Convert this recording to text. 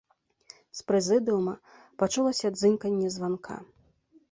З прэзідыума пачулася дзынканне званка.